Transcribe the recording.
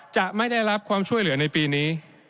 จะไม่ได้รับความช่วยเหลือในปีนี้